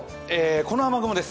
この雨雲です。